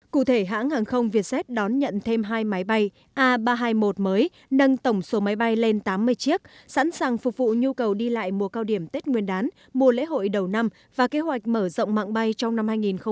cụ thể hãng hàng không vietjet đón nhận thêm hai máy bay a ba trăm hai mươi một mới nâng tổng số máy bay lên tám mươi chiếc sẵn sàng phục vụ nhu cầu đi lại mùa cao điểm tết nguyên đán mùa lễ hội đầu năm và kế hoạch mở rộng mạng bay trong năm hai nghìn hai mươi